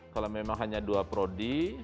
kalau memang hanya dua prodi